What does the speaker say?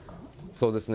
そうですね。